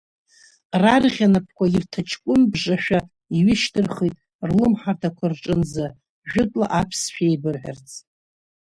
Рарӷьа напқәа ирҭаҷкәымбжашәа иҩышьҭырхит, рлымҳарҭақәа рҿынӡа, жәытәла аԥсшәа еибырҳәарц.